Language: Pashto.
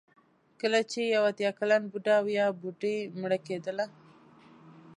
کله چې یو اتیا کلن بوډا او یا بوډۍ مړه کېدله.